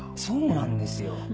そうなんですよ！